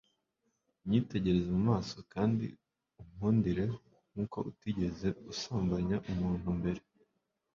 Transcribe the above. unyitegereze mu maso kandi unkundire nk'uko utigeze usambanya umuntu mbere